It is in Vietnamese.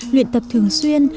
luyện tập thường xuyên